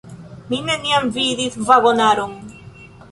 Mi neniam vidis vagonaron.